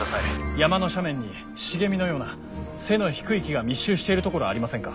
山の斜面に茂みのような背の低い木が密集しているところありませんか？